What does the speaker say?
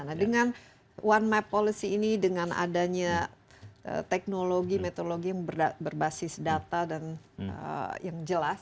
nah dengan one map policy ini dengan adanya teknologi metodologi yang berbasis data dan yang jelas